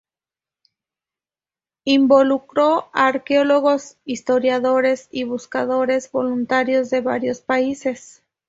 Involucró a arqueólogos, historiadores y buscadores voluntarios de varios países.